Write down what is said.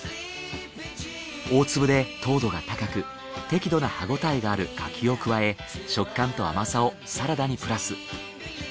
大粒で糖度が高く適度な歯応えがある柿を加え食感と甘さをサラダにプラス。